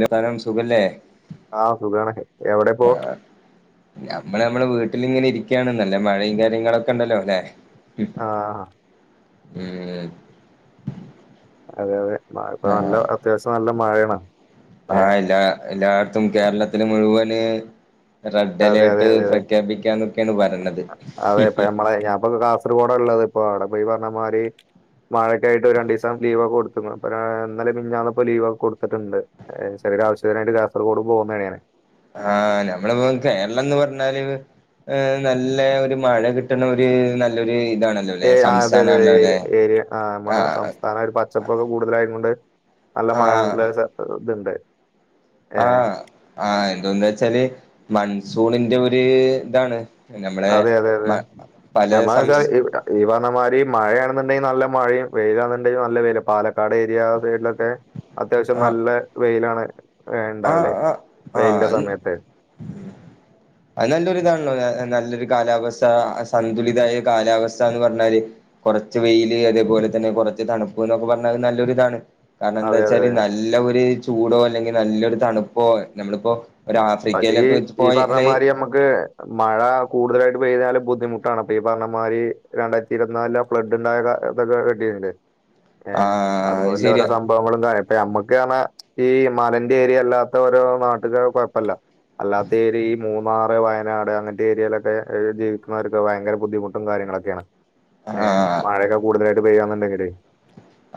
[unintelligible] സുഖല്ലേ? ആഹ് സുഖണ്. എവടെ പോ? ഞമ്മള് ഞമ്മളെ വീട്ടിലിങ്ങനെ ഇരിക്കാണ് ന്നല്ലേ മഴെം കാര്യങ്ങളൊക്കെ ണ്ടല്ലോ ല്ലേ ആഹ് ഉം അതെ യതെ മഴ പ്പ നല്ലോ അത്യാവസ്യം നല്ല മഴെണ്. ആഹ് എല്ലാ എല്ലാട്ത്തും കേരളത്തില് മുഴുവന് റെഡ് അതെ അതെ അലേർട്ട് അതെ പ്രഖ്യാപിക്കാന്ന്ക്കാണ് പറീണത്. ഹായ് അപ്പ [unintelligible] ഒരുപാട് വെള്ള [unintelligible] പ്പൊ ആടെ പോയി പർഞ്ഞ മാരി മഴക്കായിട്ട് രണ്ടീസം ലീവൊക്കെ കൊട്ത്ത്ണ്. ഇപ്പ താ ഇന്നലെ മിഞ്ഞാന്നൊക്കെ ലീവൊക്കെ കൊട്ത്തിട്ട്ണ്ട്. ചെറിയൊരാവശ്യത്തിന് വേണ്ടി കാസർഗോഡ് പോവുമ്പ [unintelligible] ആഹ് ഞമ്മള് പ്പം കേരളംന്ന് പർഞ്ഞാല് ഏഹ നല്ല ഒര് മഴ കിട്ടണ ഒര് നല്ലൊര് ഇതാണ്. ഏഹ് ആഹ് തെതെ തെ ഏരിയ ഏരിയ ആ അമ്മളെ സംസ്ഥാനം ഒരു പച്ചപ്പൊക്കെ കൂടുതലായത്കൊണ്ട് നല്ല ആ മഴള്ള ശ ത്ണ്ട്. ആഹ് ആഹ് ഇന്തെന്താ ച്ചാല് മൺസൂണിന്റെ ഒര് താണ്. നമ്മളെ അതെ അതെ അതെ മ പലേ നമ്മള് വെച്ചാ സംസ് ഈ ഈ പർഞ്ഞ മാരി മഴയാണെന്നുണ്ടെങ്കി നല്ല മഴിം വെയിലാണെന്നുണ്ടെങ്കി നല്ല വെയിലാ പാലക്കാട് ഏരിയ ആ സൈഡിലൊക്കെ അത്യാവശ്യം ആഹ് നല്ല വെയിലാണ് ഇണ്ടാവല് വെയിലിന്റെ സമയത്ത് ഉ [inaudible] അത് നല്ലൊര്താണല്ലോ എഹ് നല്ലൊരു കാലാവസ്ഥ സന്തുലിതായ കാലാവസ്ഥ ന്ന് പർഞ്ഞാല് കൊറച്ച് വെയില് അതേപോലെ തന്നെ കൊറച്ച് തണുപ്പ് ന്നൊക്കെ പർഞ്ഞാ അത് നല്ലൊരിതാണ്. അതെ അതെ കാരണന്താച്ചാല് അതെ നല്ല ഒര് ചൂടോ അല്ലെങ്കി നല്ലൊരു തണ്പ്പോ നമ്മളിപ്പോ ഒരു പക്ഷേ ആഫ്രിക്കയിലൊക്കെ വെച്ച് ഈ പർഞ്ഞ പോയാല് മാരി അമ്മക്ക് മഴ കൂടുതലായിട്ട് പെയ്താല് ബുദ്ധിമുട്ടാണ് പ്പൊ ഈ പർഞ്ഞമാരി രണ്ടായിരത്തി ഇരുവത് നാലിലോ ഫ്ലഡ് ണ്ടായകാ [unintelligible] [inaudible] ഏഹ് ആഹ് അത് അത്പോലെല്ല ഓരോ ശരിയാ സം ഭവങ്ങളും കാര്യ പ്പ അമ്മക്കാർണ ഈ മലന്റെരിയ ല്ലാത്തോരോ നാട്ടില് കൊഴപ്പല്ല. അല്ലാത്തെരിയി മൂന്നാറ്, വയനാട് അങ്ങൻത്തെരിയെലൊക്കെ ഒര് ജീവിക്കുന്നവർക്ക് ഭയങ്കര ബുദ്ധിമുട്ടും കാര്യങ്ങളൊക്കെണ്. ഏഹ് ആഹ് മയെക്കെ കൂടുതലായിട്ട് പെയ്യന്ന്ണ്ടെങ്കില്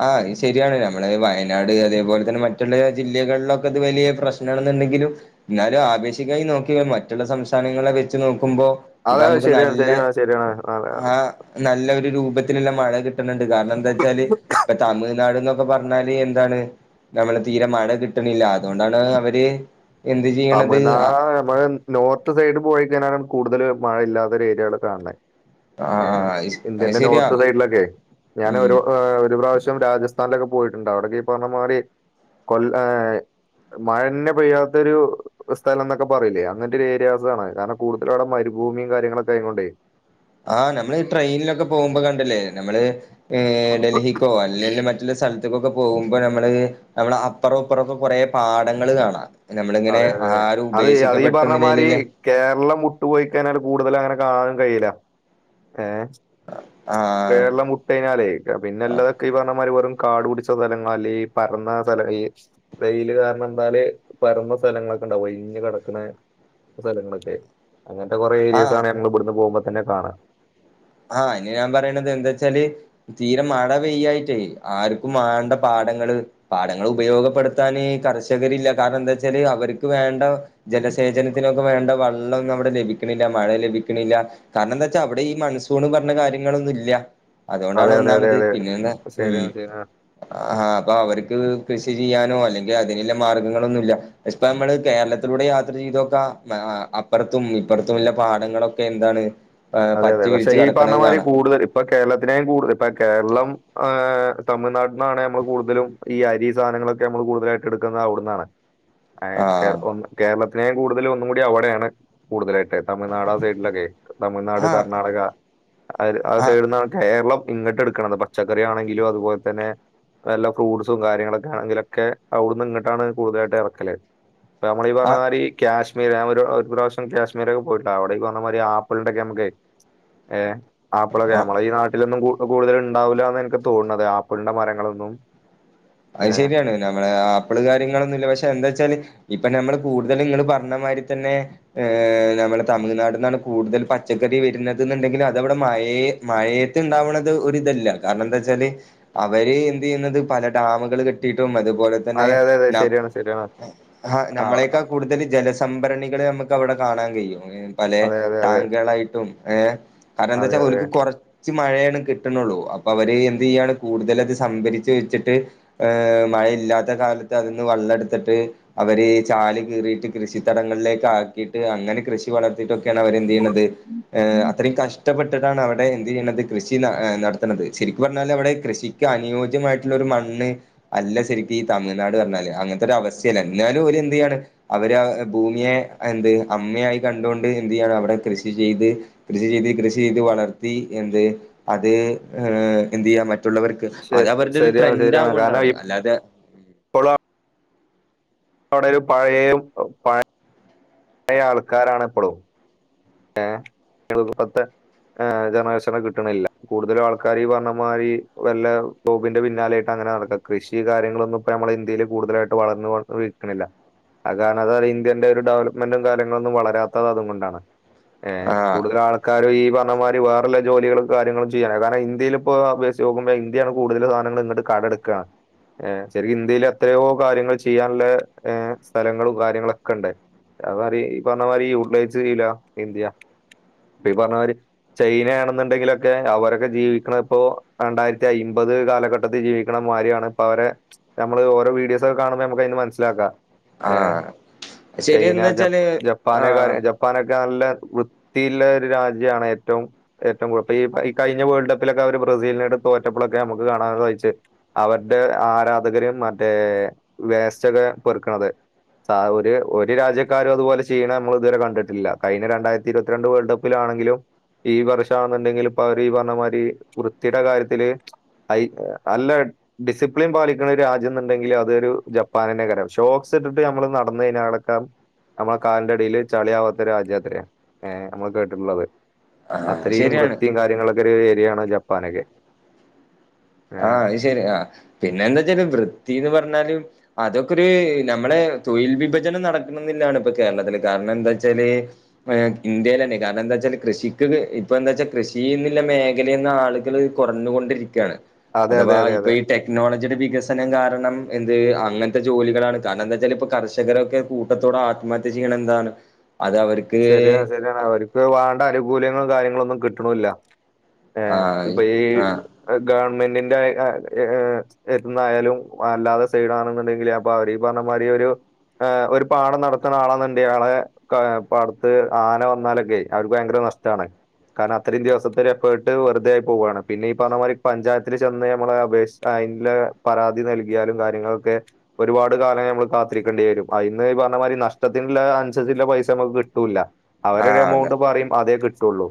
ആഹ് ഇ ശെര്യാണ് നമ്മളെ വയനാട് അതേപോലെ തന്നെ മറ്റുള്ള ജില്ലകളിലൊക്കെ ഇത് വലിയ പ്രശ്നമാണെന്നുണ്ടെങ്കിലും ന്നാലും ആപേക്ഷികായി നോക്ക്യാ മറ്റുള്ള സംസ്ഥാനങ്ങളെ വെച്ച് നോക്കുമ്പോ ഇതാ അതെ അമ്മക്ക് ശരിയാണ് നല്ല ശരിയാണ് ശരിയാണ് അതെ ആഹ് നല്ല ഒരു രൂപത്തില്ളള മഴ കിട്ട്ണ് ണ്ട് കാരണന്താ ച്ചാല് ഇപ്പൊ തമിഴ്നാട് ന്നൊക്കെ പർഞ്ഞാല് എന്താണ് നമ്മള തീരെ മഴ കിട്ടണില്ല അതോണ്ടാണ് അവര് എന്ത് ചെയ്യണത് തമിഴ്നാ ആഹ് അതേപോലെ നോർത്ത് സൈഡ് പോയി ക്കയ്ഞ്ഞാലാണ് കൂടുതല് മഴല്ലാത്തൊര് ഏരിയള് കാണ് ണെ ഏഹ് ആഹ് അത് ഇന്ത്യന്റെ ശരിയാ നോർത്ത് സൈഡിലൊക്കെ ഞാൻ ഒരു ഉം ഏഹ് ഒരു പ്രാവശ്യം രാജസ്ഥ സ്ഥാനിലൊക്കെ പോയിട്ടുണ്ട് അവടെ ജ് പർഞ്ഞ മാരി കൊല്ല എഹ് മഴന്നെ പെയ്യാത്തൊരു സ്ഥലം ന്നൊക്കെ പറില്ലേ അങ്ങൻത്തൊരു ഏരിയാസ്സാണ് കാരണം കൂടുതലവടെ മരുഭൂമിം കാര്യങ്ങളൊക്കയതൊണ്ടേ ആഹ് നമ്മള് ഈ ട്രെയിനിലൊക്കെ പോവുമ്പോ കണ്ട്ല്ലേ നമ്മള് ഏഹ് ഡൽഹി ക്കൊ അല്ലെല് മറ്റുള്ള സ്ഥൽത്ത്ക്കൊക്കെ പോവുമ്പോ നമ്മള് നമ്മളെ അപ്പറൊ ഇപ്പറൊക്കെ കൊറേ പാടങ്ങള് കാണാം നമ്മളിങ്ങനെ അതെ അതെ ആരും അത് ഈ- അത് ഈ ഉപേക്ഷിക്കപ്പെട്ട പറഞ്ഞ നിലയില് മാതിരി ല്ലേ കേരളം വിട്ട്പോയി കയ്ഞ്ഞാട് കൂട്തല് അങ്ങനെ കാണൻ കയ്യൂല്ല ഏഹ് ആഹ് കേരളം വ് കഴഞ്ഞാലേ പിന്നെ എല്ലാതൊക്കെ ഈ പറഞ്ഞമാതിരി വെറും കാട് കുടിച്ച സ്ഥലങ്ങള അല്ലെ ഈ പറന്ന സ്ഥല ഈ വെയില് കാരണം എന്താല് പരന്ന സ്ഥലങ്ങളൊക്കെ ഉണ്ടാവും ഒഴിഞ്ഞ് കിടക്കന്ന സ്ഥലങ്ങളൊക്കെ അങ്ങനത്തെ കുറെ ആഹ് ഏരിയസ്സണ് ഞങ്ങള് ഇവിടുന്ന് പോകുമ്പോ തന്നെ കാണാ ആഹ് ഇനി ഞാൻ പറയണത് എന്താ വെച്ചാല് തീരെ മഴ പെയ്യായിട്ടേ ആർക്കും വേണ്ട പാടങ്ങള് പാടങ്ങൾ ഉപയോഗപ്പെടുത്താൻ കർഷകരില്ല കാരണം എന്താ വെച്ചാല് അവർക്ക് വേണ്ട ജലസേചനത്തിനൊക്കെ വേണ്ട വെള്ളന്നും അവിടെ ലഭിക്കണില്ല മഴ ലഭിക്കണില്ല കാരണം എന്താ വെച്ചാ അവിടെ ഈ മൺസൂൺ പറഞ്ഞ കാര്യങ്ങളൊന്നും ഇല്ല അതെ അതുകൊണ്ടാണ് അതെ അതെ ഒന്നാമത് അതെ പിന്നെ എന്താ ഉം ശരിയാണ് ശരിയാണ് ആഹ അപ്പൊ അവർക്ക് കൃഷി ചെയ്യാനോ അല്ലെങ്കിൽ അതിനുള്ള മാർഗങ്ങളൊന്നുല്ല ഇപ്പ നമ്മള് കേരളത്തിലൂടെ യാത്ര ചെയ്തോക്കാ അപ്പുറത്തും ഇപ്പുറത്തുമുള്ള പാടങ്ങളൊക്കെ എന്താണ് അതെ പച്ച അതെ പക്ഷെ വിരിച്ച് ഈ കിടക്കണത് പറഞ്ഞമാതിരി കാണാം കൂടുതൽ ഇപ്പ കേരളത്തിനെയും കൂടുതൽ ഇപ്പ കേരളംഹ് തമിഴ്നാട്ന്നാണ് നമ്മൾ കൂടുതലും ഈ അരി സധങ്ങളൊക്കെ നമ്മള് കൂടുതലായിട്ട് എടുക്കുന്നത് അവിടെന്നാണ് [inaudible] [unintelligible] അ ഒ കേരളത്തിനെയും കൂടുതല ഒന്നും കൂടി അവിടെയാണ് കൂടുതലായിട്ട് തമിഴ്നാട ആ സൈഡിലൊക്കെ തമിഴ്നാട്, ആഹ് കർണാടക അ ആ ആഹ് സൈഡ് കേരളം ഇങ്ങിട്ട് എടുക്കണത് പച്ചക്കറി ആണെങ്കിലും അതുപോലെ തന്നെ എല്ല ഫ്രൂ്സും കാര്യങ്ങളൊക്കെ ആണങ്കിലൊക്കെ അവിടുന്ന് ഇങ്ങിട്ടാണ് കൂടുതലായിട്ട് ഇറക്കല് നമ്മള ഈ പറഞ്ഞ ആഹ് മാതിരി കാശ്മീർ ൻ ഒരു പ്രാവശ്യം കാശ്മീരൊക്കെ പോയിട്ട അവിടെഈ പറഞ്ഞ മാരി ആപ്പിളിണ്ടൊക്കെ നമുക്കെ ഏ ആപ്പളൊക്കെ ആഹ് നമ്മള ഈ നാട്ടിലൊന്നും കു ഇപ്പോ കൂടുതല ഉണ്ടാവില്ല എന്ന് എനിക്ക് തോന്നുന്നത് ആപ്പിളിൻ്റെ മരങ്ങളൊന്നും അത് ഏഹ് ശരിയാണ് നമ്മെ ആപ്പിള് കാര്യങ്ങളൊന്നുംല്ല പക്ഷെ എന്താ വെച്ചാല് ഇപ്പ നമ്മൾ കൂടുതലും ഇങ്ങൾ പറഞ്ഞ മാതിരി തന്നെ ഏ നമ്മളെ തമിഴ്നാട് നിന്നാണ് കൂടുതൽ പച്ചക്കറി വരുന്നത് എന്നുണ്ടെങ്കിൽ അതവിടെ മഴയേ മഴയത്ത് ഉണ്ടാവണത് ഒരു ഇതല്ല കാരണം എന്താ വച്ചാല് അവര് എന്ത് ചെയ്യുന്നത് പല ഡാമുകൾ കിട്ടിയിട്ടും അതുപോലെ തന്നെ അതെ അതെ അതെ ശരിയാണ് ശരിയാണ് ആഹ് നമ്മളെയക്കെ കൂടുതൽ ജലസംഭരണികൾ നമുക്ക് അവിടെ കാണാൻ കഴിയും പല അതെ അതെ അതെ ടാങ്കുകളായിട്ടും ഏ കാരണം എന്താ അതെ വച്ചാ അതെ ഓർക്ക് കൊറ കുച്ച് മഴയാണ് കിട്ടുന്നുള്ളൂ അപ്പൊ അവര് എന്ത് ചെയ്യാണ് കൂടുതല അത് സംഭരിച്ചു വെച്ചിട്ട് ഏ മഴയില്ലാത്ത കാലത്ത് അതിന്ന് വെള്ളം എടുത്തിട്ട് അവര്ഈ ചാല് കീറിയിട്ട് കൃഷി തടങ്ങളിലേക്ക് ആക്കിയിട്ട് അങ്ങനെ കൃഷി വളർത്തിയിട്ടൊക്കെയാണ് അവര്ന്ത് ചെയ്യുന്നത് അത്ര കഷ്ടപ്പെട്ട അവിടെ എന്ത് ചെയ്യുന്നത് കൃഷി നടത്തുന്നത് ശരിക്ക് പറഞ്ഞാൽ അവിടെ കൃഷിക്ക് അനുയോജ്യമായിട്ടുള്ള ഒരു മ ണ് അല്ല ശെരിക്കും ഈ തമിഴ്നാട് പറഞ്ഞാല് അങ്ങനത്തെ ഒരു അവസ്ഥലാ എന്നാലും ഒരു എന്തെയാണ് അവര് ഭൂമിയെ എന്ത് അമ്മയായി കണ്ടുകൊണ്ട് എന്ത് ചെയ്യാണ് അവിടെ കൃഷി ചെയ്ത് കൃഷി ചെയ്ത് കൃഷി ചെയ്ത് വളർത്തി എന്ത് അത് ഏ എന്ത് ചെയ്യാ മറ്റുള്ളവർക്ക് ശ അത് അവരുടെ ഒരു ശരിയാണ് ട്രെൻഡ് കാരണം ആവോണ്ടാണ് ഇ അല്ലാതെ [inaudible] അവിടെ ഒരു പഴയ പ പഴയ ആൾക്കാരണിപ്പഴും ഏ [inaudible] ഏ ജനവേഷണം കിട്ടണില്ല കൂടുതലും ആൾക്കാർ ഈ പറഞ്ഞമാതിരി വല്ല ജോബിന്റെ പിന്നാലെയിട്ട് അങ്ങനെ നടക്കാം കൃഷി കാര്യങ്ങളൊന്നും ഇ നമ്മള ഇന്ത്യയിൽ കൂടുതലായിട്ട് വളർന്ന് വിൽക്കണില്ല ആ കാരണം അതത് ഇന്ത്യന്റെ ഒരു ഡെവലപ്മെന്റും കാര്യങ്ങളൊന്നും വളരാത്തത് അതുകൊണ്ടാണ് ഏ ആഹ് കൂടുതൽ ആള് ക്കാര ഈ പറഞ്ഞ മാതി വേറല്ല ജോലികും കാര്യങ്ങളും ചെയ്യാന കാര ഇന്ത്യയി ഇപ്പോ അപേക്ഷിച്ചു നോക്കുമ്പോ ഇന്ത്യയാണ് കൂടുതൽ സാധനങ്ങ ഇങ്ങട് കടം എടുക്കയാണ് ശരിയ ഇന്ത്യയിൽ എത്രയോ കാര്യങ്ങൾ ചെയ്യാനുള്ള സ്ഥലങ്ങളും കാര്യങ്ങളൊക്കെ ഉണ്ട് അ മാ ഈ പറഞ്ഞ മാതി യൂട്ടിലൈസ് ചെയില ഇന്ത്യ അപ്പ പറഞ്ഞ മാരി ചൈനയാണെന്നുണ്ടെങ്കിലൊക്കെ അവരൊക്കെ ജീവിക്കണ ഇപ്പോ രണ്ടായിരത്തി അമ്പത് കാലഘട്ടത്തിൽ ജീവ മാര്യാണ് ഇപ്പൊ അവരെ നമ്മള് ഓരോ വീഡിയോസൊക്കെ കാണുമ്പോ നമുക്ക് അതിന്ന് മനസ്സിലാക്കാം ഏഹ് ആഹ് ശരി ചൈന എന്താ ജപ്പ വെച്ചാല് ജപ്പാനക്കാര ആഹ് ജപ്പാനക്ക നല്ല വൃത്തിള്ള ഒരു രാജ്യമാണ് ഏറ്റവും ഏറ്റവും കൂടുപ്പ ഈ കഴിഞ്ഞ വേൾഡ് കപ്പിലൊക്കെ അവര് ബ്രസീലിനോട് തോറ്റപ്പഴൊക്കെ നമുക്ക് കാണാൻ സായിച്ചു അവരുടെ ആരാധകര് മറ്റേ വേസ്റ്റ് ഒക്കെ പെറ്ക്കണത് സ ഒരു ഒരു രാജ്യക്കാരും അതുപോലെ ചെയ്യണ നമ്മൾ ഇതുവരെ കണ്ടിട്ടില്ല കഴിഞ്ഞ രണ്ടായിരത്തി ഇരുത്തി രണ്ട് വേൾഡ് കപ്പിലാണെങ്കിലും ഈ വർഷാന്നുണ്ടെങ്കിൽ ഇപ്പൊ അവര് ഈ പറഞ്ഞമാതിരി വൃത്തിയുടെ കാര്യത്തില് അയി അല്ല ഡിസിപ്ലിൻ പാലിക്കുന്ന ഒരു രാജ്യം എന്നുണ്ടെങ്കിൽ അതൊരു ജപ്പാനെന്നേക്കാരം ഷോക്സ് ഇട്ടിട്ട് നമ്മള് നടന്ന് കയിഞ്ഞ അവിടൊക്കെ നമ്മള കാലിന്റെടിയില് ചളിയാവാത്ത രാജ്യാത്രേ ഏഹ് നമ്മൾ കേട്ടിട്ടുള്ളത് ആഹ് അത്രയും ശരിയാണ് വൃത്തിയും കാര്യങ്ങളൊക്കെ ഒരു ഏരിയ ആണ് ജപ്പാനൊക്കെ ആഹ അത് ശരി ആ പിന്നെ എന്താ വച്ചാല് വൃത്തിന്ന് പറഞ്ഞാല് അതൊക്കെരു നമ്മളെ തൊഴിൽ വിഭജനം നടക്കണന്ന് തന്നെയാണ് ഇപ്പൊ കേരളത്തില് കാരണം എന്താ വച്ചാല് ഇന്ത്യയില് തന്നെ കാരണം എന്താ വച്ചാ കൃഷിക്ക് ഇപ്പ എന്താ വെച്ചാൽ കൃഷിന്നുള്ള മേഖല എന്ന ആളുകള് കുറഞ്ഞൊണ്ടിരിക്കയാണ് അതെ അതെ അഥവാ അതെ ഇപ്പൊ അതെ ഈ ടെ ടെക്നോളജിയുടെ വികസനം കാരണം എന്ത് അങ്ങനത്തെ ജോലികളാണ് കാരണം എന്താ വെച്ചാൽ ഇപ്പ കർഷകരൊക്കെ കൂ കൂട്ടത്തോടെ ആത്മഹത്യ ചെയ്യണ എന്താണ് അത് അവർക്ക് ശരിയ ശരിയാണ് അവർക്ക് വേണ്ട ആനുകൂല്യങ്ങളും കാര്യങ്ങളും ഒന്നും കിട്ട്ണുംല്ല ഏ ആഹ് ഇപ്പൊ ഈ ആഹ് ഗവൺമെന്റിന്റെ ഏഹ് എട്ത്തുന്നായാലും അല്ലാതെ സൈഡ് ആണെന്നുണ്ടെങ്കിൽ അപ്പൊ അവരീ പറഞ്ഞ മാതിരി ഒരു ഹ് ഒരു പാടം നടത്തുന്ന ആളാെന്നുണ്ടെ ആളെ പാടത്തു ആന വന്നാലൊക്കെയി അവർക്ക് ഭയങ്കര നഷ്ടമാണ് കാരണം അത്രയും ദിവസത്തെ ഒരു എഫേർട്ട് വെറുതെ ആയി പോവയാണ് പിന്നെ ഈ പറഞ്ഞ മാതിരി പഞ്ചായത്തില്ൽ ചെന്ന് നമ്മളെ അപേ അതിന്ള്ള പരാതി നൽകിയാലും കാര്യങ്ങളൊക്കെ ഒരുപാട് കാല ഞമ്മൾ കാത്തിരിക്കേണ്ടി വരും അതിന്ന് ഈ പറഞ്ഞമാതിരി നഷ്ടത്തിനുള്ള അനുസരിച്ചുള്ള പൈസ നമുക്ക് കി കിട്ടുംല്ല അവര് ഒരു ആഹ് അതെ എമൗണ്ട് പറയും അതേ കിട്ടുള്ളൂ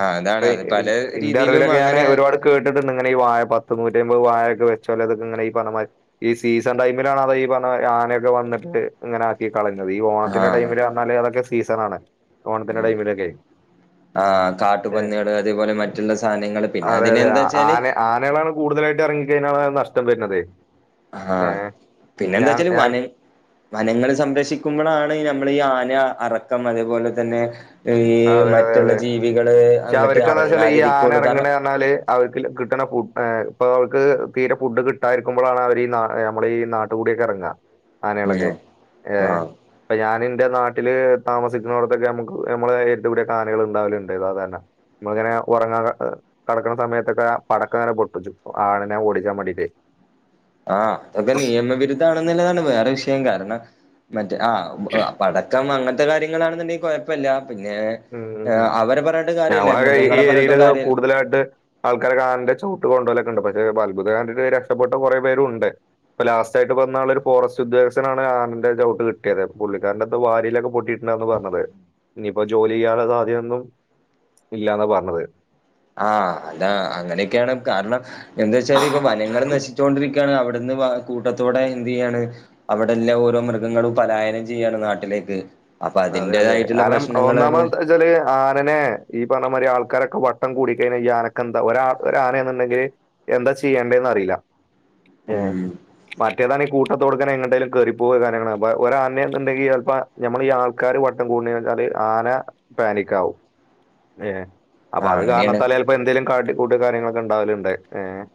ആഹ് അതാണ് അത് പല ഇന്റെ രീതിയിലും അറിവിലൊക്കെ ഞാന് അങ്ങനെ ഒരുപാട് കേട്ടിട്ട് ഇങ്ങനെ ഈ വായ പത്ത് നൂറ്റിമ്പത് വായ ഒക്കെ വെച്ചോലെ ഇതൊക്കെങ്ങനെ ഈ പറഞ്ഞമാരി ഈ സീസൺ ടൈമിലാണ് അത ഈ പറഞ്ഞ ആനയൊക്കെ വന്നിട്ട് ഇങ്ങനെ ആക്കി കളയുന്നത് ഈ ഓണത്തിന്റെ ആഹ് ടൈമില് വന്നാല് അതൊക്കെ സീസൺ ആണ് ഓണത്തിന്റെ ടൈമിലൊക്കെ ആ് ഏ, കാട്ടുപന്ന്യാള് അതേപോലെ മറ്റുള്ള സാധനങ്ങള് പിന്നെ അതെ അതിനെ അതെ ആ- എന്താച്ചാല് ആന ആനകളാണ് കൂടുതലായിട്ട് ഇറങ്ങിക്ക കഴിഞ്ഞാണ് നഷ്ടം വരുന്നത് ആഹ പിന്നെ എന്താ ഞാൻ വച്ചാല് ഞാൻ വനം വനങ്ങൾ സംരക്ഷിക്കുമ്പോഴാണ് നമ്മള് ഈ ആന അറക്കം അതേപോലെ തന്നെ ഈ അതെ അതെ മറ്റുള്ള അതെ ജീവികള് പക്ഷെ അങ്ങട്ട് അവർക്ക് എന്താ വെച്ചാൽ ഈ ആന അറങ്ങാതിരിക്കുള്ളു ഇറങ്ങണ കാരണം പറഞ്ഞാല് അവർക്ക് കിട്ടണ ഫുഡ് ഇപ്പൊ അവർക്ക് തീരെ ഫുഡ് കിട്ടാരിക്കുമ്പോഴാണ് അവർ നമ്മളെ ഈ നാട്ട ട്ടികൂടിയൊക്കെ ഇറങ്ങ ആനകളൊക്കെ ഉം ഏഹ് ആഹ് അപ്പൊ ഞാൻ ഇന്റെ നാട്ടില് താമസിക്കുന്നോടത്തൊക്കെ നമുക്ക് നമ്മള എട്ത്ത് കൂടിയൊക്കെ ആനകൾ ഉണ്ടാവലുണ്ട് സാധാരണ ഇമ്മള് ഇങ്ങനെ ഇങ്ങനെ ഉറങ്ങാ കടക്ക്ണ സമയത്തൊക്കെ പടക്ക ഇങ്ങനെ പൊട്ടിച്ചും ആനേനെ ഓടിക്കാൻ വേണ്ടിട്ട് [inaudible] ആഹ അതൊക്കെ നിയമവിരുദ്ധമാണെന്നുള്ളതാണ് വേറെ വിഷയം കാരണം മറ്റേ ആ പട ക്കം അങ്ങനത്തെ കാര്യങ്ങളാണെന്നുണ്ടെങ്കിൽ കുഴപ്പമില്ല പിന്നെ ഉം അവരെ പറഞ്ഞിട്ട് കാര്യല്ല ഞമ്മളൊക്കെ ഈ മൃഗങ്ങളെ പറഞ്ഞിട്ടും ഏരിയയിലതാ കാര്യല്ല കൂടുതലായിട്ട് ആൾക്കാരൊക്കെ ആനന്റെ ചവുട്ട് കൊണ്ടൊലൊക്ക ഉണ്ട് പക്ഷേ അത്ഭുതം കണ്ടിട്ട് രഷ്പ്പെട്ട കുറെേ പേരും ഉണ്ട് ഇപ്പൊ ലാസ്റ്റായിട്ട് വന്ന ആൾ ഒരു ഫോറസ്റ്റ് ഉദ്യോഗസ്ഥനാണ് ആനെന്റെ ചൗട്ട് കിട്ടിയത് പുള്ളിക്കാരന്റെ എന്തോ വാരിയെല്ലൊക്കെ പൊട്ടിട്ട് എന്താന്ന് പറഞ്ഞത് ഇപ്പൊ ജോലി ചെയ്യാതെ സാധ്യത ഒന്നും ഇല്ലന്നാ പറഞ്ഞത് ആഹ് അതാ അങ്ങനെയൊക്കെയാണ് കാരണം എന്താ വച്ചാല് ഇപ്പൊ വനങ്ങൾ നശിച്ചൊണ്ടിരിക്ക കാണ് അവിടുന്ന് കൂട്ടത്തോടെ എന്ത് ചെയ്യാണ് അവിടെല്ലാം ഓരോ മൃഗങ്ങളും പലായനം ചെയ്യാണ് നാട്ടിലേക്ക് അപ്പൊ അതിന്റേതായിട്ടുള്ള പ്രശ്നങ്ങളാണ് ഇജ് ഒരു ആന നേ ഈ പറഞ്ഞ മാതിരി ആൾക്കാരൊക്കെ വട്ടം കൂടിക്കഴിഞ്ഞാൽ ഈ ആനക്കെന്താ ഓരനെ എന്നുണ്ടെങ്കില് എന്താ ചെയ്യണ്ടേന്ന് അറിയില്ല ഏ ഉം മറ്റേതാനെ കൂട്ടത്തോടെ എങ്ങോട്ടെങ്കിലും കേറി പോകെ കാര്യങ്ങ ഒരാനെന്ന് ഉണ്ടെങ്കിൽ ചിലപ്പോ നമ്മൾ ഈ ആൾക്കാര് വട്ടം കൂടച്ചാല് ആന പാനിക്കാവും ഏ അപ്പൊ ആഹ് അത് അങ്ങനെയാണ് കാരണത്താല ഇപ്പൊ എന്തേലും കാട്ടിക്കൂട്ട് കാര്യങ്ങളൊക്കെ ഉണ്ടാവലുണ്ട്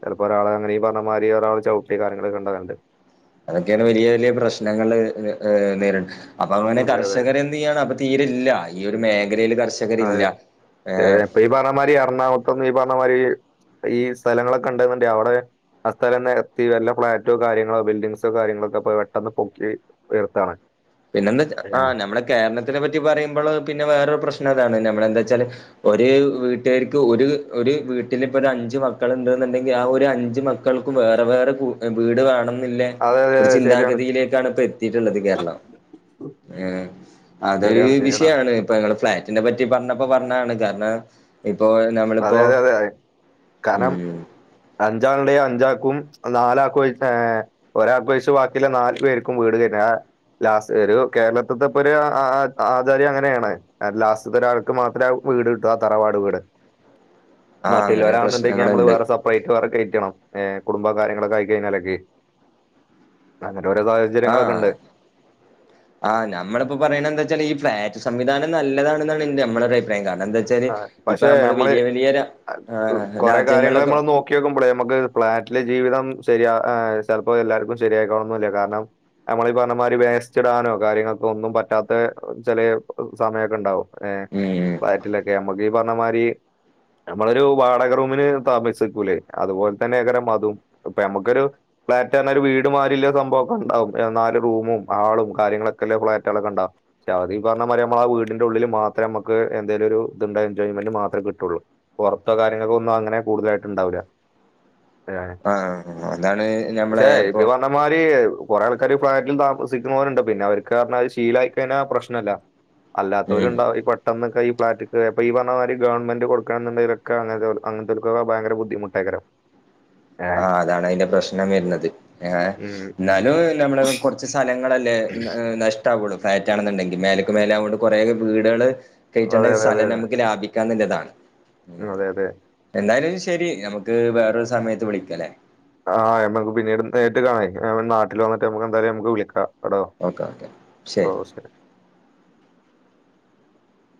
ചിലപ്പോ ഒരാളെ ചവിട്ടി കാര്യങ്ങളൊക്കെ ഉണ്ടാവലുണ്ട് അതൊക്കെയാണ് വലിയ വലിയ പ്രശ്നങ്ങൾ നേരിട അപ്പൊ അങ്ങനെ അതെ, കർഷകർ തീയാണ് അപ്പൊ തീരെല്ല ഈയൊരു മേഖലയില് കർശന ആഹ് അതെ യതെ തെ അപ്പൊ ഈ പർണമാരി എറണാകൊൾത്ത്ന്ന് ഈ പർണ മാരീ ഈ സ്ഥലങ്ങളൊക്കെ ണ്ട്ന്ന്ണ്ടെ അവടെ ആഹ് സ്ഥലം നെരത്തി വല്ല ഫ്ളാറ്റോ കാര്യങ്ങളോ ബിൽഡിംഗ്സോ കാര്യങ്ങളൊക്കെ പൊ പെട്ടെന്ന് പൊക്കി ഉയർത്താണ് പിന്നെ എന്തച്ചാ ഏഹ്. ആഹ് നമ്മുടെ കേരളത്തിനെ പറ്റി പറയുമ്പള് പിന്നെ വേറെരു പ്രശ്നം അതാണ് നമ്മളെ എന്തച്ചാല് ഒര് വീട്ടേർക്ക് ഒര് ഒര് വീട്ടിലിപ്പ രഞ്ച് മക്കള് ണ്ട് ന്ന്ണ്ടെങ്കീ ആഹ് ഒരഞ്ച് മക്ക മക്കൾക്കും വേറെ വേറെ കൂ വീട് വേണം ന്നില്ലേ അതെ അതെ ഒരു അതെ ശരിയാണ് ചിന്താഗതിയിലേക്കാണ് ഇപ്പ എത്തീയിട്ട്ള്ളത് കേരളം ഉം അതൊരു ശരിയാണ് ശരിയാണ് വിഷയാണ് ഇപ്പൊ ഞങ്ങള് ഫ്ലാറ്റിനെ പറ്റി പർണപ്പോ പർണാണ് കാര്ണം ഇപ്പോ നമ്മള് അതെ പ്പോ അതെ ഉം അഞ്ചാൾ ണ്ടെ അഞ്ചാക്കും നാലാക്കും ആയിട്ട് ഏഹ് ഒരാൾക്ക് ഒയിച്ച് ബാക്കില്ല നാല് പേര്ക്കും വീട് വെരാ ലാസ്റ്റ് ഒരൂ കേരളത്ത്ത്തെ ഇപ്പൊ ഒരു ആ ആചാര്യം അങ്ങനെയാണ് ലാസ്റ്റ്ത്തെ ഒരാൾക്ക് മാത്രേ വീട് കിട്ടാ തറവാട് വീട് ആ മറ്റ് അങ്ങനെ ല്ലോരാന്ന്ണ്ടെങ്കീ യമ്മള് പ്രശ്നങ്ങളുണ്ട് വേറെ സപ് പ്ലൈറ്റ് വേറെ കേറ്റണം ഏഹ് കുടുംബ കാര്യങ്ങളൊക്കെ ആയി കഴിഞ്ഞാലൊക്കെ അങ്ങനെ ഓരോ സാഹ ആഹ് ആഹ് നമ്മളിപ്പോ പറയ്ണെ എന്താ ച്ചാല് ഈ ഫ്ളാറ്റ് സംവിധാനം നല്ലെതാണ് ന്നാണ് ന്റെ മ്മളെരു അഭിപ്രായം കാരണം ന്താച്ചാ ശരി ഇപ്പ പക്ഷെ അമ്മള് നമ്മള് വലിയ വലിയ രാ ഏഹ് രാജ്യങ്ങൾലൊക്കെ നോക്കിക്കുമ്പളെ മ്മക്ക് ഫ്ലാറ്റിലെ ജീവിതം ശരിയാ ഏഹ് ചെൽപ്പോ എല്ലാർക്കും ശരിയായിക്കോണം ന്നുല്ല കാര്ണം നമ്മളീ ഈ പർണമാരി വേസ്റ്റ് ഇടാനോ കാര്യങ്ങൾക്കൊന്നും പറ്റാത്ത ചെറിയ സമയൊക്കെ ണ്ടാവും ഏഹ് ഉം ഉം പയറ്റ്ലൊക്കെ നമ്മ്ക്കീ പർണ മാരീ നമ്മളൊരൂ വാടക റൂമിന് താമസ്സിക്കൂലേ അതുപോൽ തന്നെ എയ്കാരം മതും ഇപ്പ യമ്മക്കൊരു ഫ്ളാറ്റ് ർണാ ഒര് വീട്മാരില്ല സംഭവക്കെ ഉണ്ടാവും ഏഹ് നാല് റൂമും ആളും കാര്യങ്ങളൊക്കെല്ലേ ഫ്ളാറ്റാളൊക്കെ ണ്ടാവും രാ അതീ പർണമാരി മ്മളെ വീട്ടിന്റെ ഉള്ളില് മാത്രെമ്മക്ക് എ എന്തേലും ഒരു ഇത്ണ്ടെൻച്ചാല് അയിന് മാത്രേ കിട്ടുള്ളൂ പുറത്തോ കാര്യങ്ങൾക്കൊന്നും അങ്ങനെ കൂടുതലായിട്ട് ണ്ടാവൂല ആഹ് അതാണ് ഞമ്മളെ ഇപ്പൊ മാരീ കൊറെ ആൾക്കാര് ഫ്ളാറ്റ്ലും താമസിക്ക്ണോരുണ്ട് പിന്നെ അവര്ക്ക് ർണാത് ശീലായിക്കയിന്നാ പ്രശ്നംല്ല ഉം അല്ലാത്തോരുണ്ടാവും ഈ പെട്ടെന്നൊക്കെ ഈ ഫ്ളാറ്റ്ക്ക് അപ്പ ഈ പർണമാരി ഗവൺമെന്റ് കൊടുക്കാണ് ന്ന് ണ്ടെങ്കിലൊക്കെ അങ്ങൻതോ അങ്ങൻ തോൽക്കൊക്കെ ഭയരങ്കര ബുദ്ധിമുട്ടെയ്ക്കാരം ആഹ് അതാണ് അയിന്റെ പ്രശ്നം വര്ന്നത് ഏഹ് ഉം ന്നാലും നമ്മള് കൊർച്ച് സലങ്ങളല്ലേ ഏഹ് നശ് വുള്ളൂ ഫ്ളാറ്റാണ് ന്ന്ണ്ടെങ്കിൽ മേലെക്ക് മേലെ ആവോണ്ട് കുറെേക്കെ വീടാള് അതെ കേറ്റണ്ടെ അതെ അതെ സലം അതെ നമുക്ക് ക്കെ ലാഭിക്കാന്ന്ല്ലതാണ് ഉം അതെ അതെ എന്തായാലും ശരി നമ്മുക്ക് വേറൊരു സമയത്ത് വിളിക്കല്ലേ ആഹ് നമ്മക്ക് പിന്നീട് നേരിട്ട് കാണെ നാട്ടിൽ വന്നിട്ട് നമ്മക്ക് എന്തായാലും നമക്ക് വിളിക്കാം കേട്ടോ ഓക്കെ ഒക്കെ ശരി